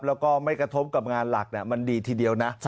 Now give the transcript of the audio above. แล้วก็ไม่กระทบกับงานหลักมันดีทีเดียวนะ